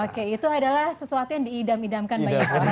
oke itu adalah sesuatu yang diidam idamkan banyak orang